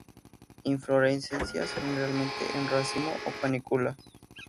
Inflorescencias generalmente en racimo o panícula.